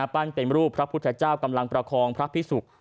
ปั้นเป็นรูปพระพุทธเจ้ากำลังประคองพระพิสุก